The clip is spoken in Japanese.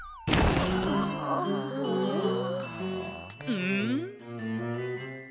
うん？